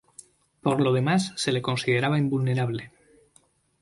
Por lo demás, se le consideraba invulnerable.